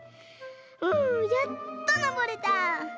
うんやっとのぼれた。